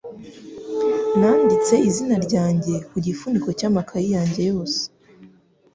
Nanditse izina ryanjye ku gifuniko cy'amakaye yanjye yose.